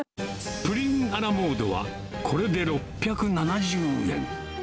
プリンアラモードはこれで６７０円。